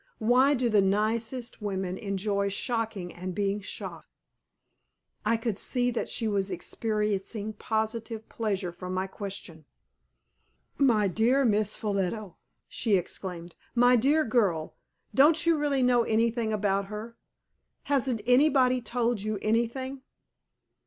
Why do the nicest women enjoy shocking and being shocked? I could see that she was experiencing positive pleasure from my question. "My dear Miss Ffolliot!" she exclaimed. "My dear girl, don't you really know anything about her? Hasn't anybody told you anything?"